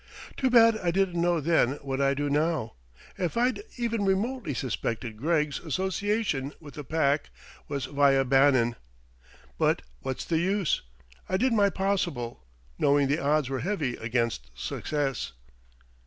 Too bad I didn't know then what I do now; if I'd even remotely suspected Greggs' association with the Pack was via Bannon.... But what's the use? I did my possible, knowing the odds were heavy against success."